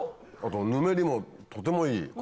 ぬめりもとてもいい。